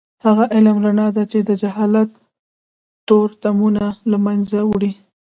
علم هغه رڼا ده چې د جهالت تورتمونه له منځه وړي.